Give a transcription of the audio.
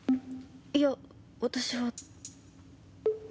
いや私は。